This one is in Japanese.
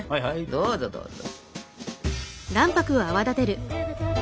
どうぞどうぞ。